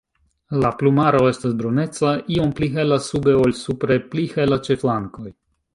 La plumaro estas bruneca, iom pli hela sube ol supre, pli hela ĉe flankoj.